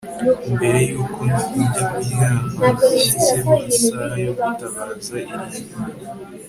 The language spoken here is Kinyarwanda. mbere yuko njya kuryama, nashyizeho isaha yo gutabaza irindwi